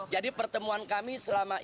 jadi pertemuan kami selama ini